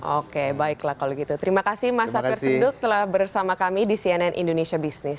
oke baiklah kalau gitu terima kasih mas safir senduk telah bersama kami di cnn indonesia business